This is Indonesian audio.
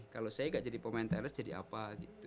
kalau saya gak jadi pemain teras jadi apa